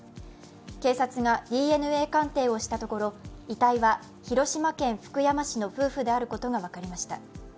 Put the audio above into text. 警察がＤＮＡ鑑定をしたところ遺体は広島県福山市の夫婦であることが分かりました。